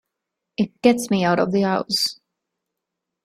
It gets me out of the house...